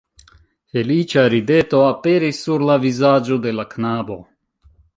Feliĉa rideto aperis sur la vizaĝo de la knabo